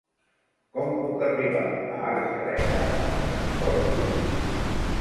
Com puc arribar a Argeleta amb transport públic?